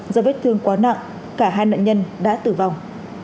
do vết thương quá nặng cả hai nạn nhân đã tử vong